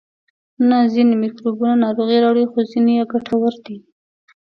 نه ځینې میکروبونه ناروغي راوړي خو ځینې یې ګټور دي